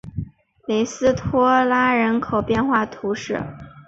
里斯托拉人口变化图示